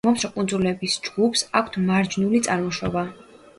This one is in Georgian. მომცრო კუნძულების ჯგუფს აქვთ მარჯნული წარმოშობა.